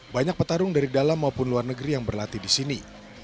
banyak petarung dari dalam maupun luar negeri yang berlatih di sini